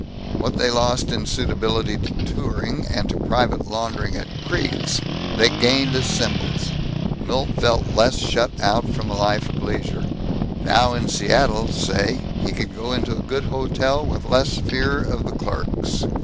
What they lost in suitability to touring and to private laundering at creeks, they gained as symbols. Milt felt less shut out from the life of leisure. Now, in Seattle, say, he could go into a good hotel with less fear of the clerks.